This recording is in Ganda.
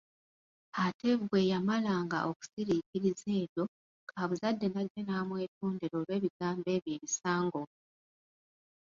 Ate bwe yamalanga okusiriikiriza ebyo, kaabuzadde najja n’amwetondera olw’ebigambo ebyo ebisangovu.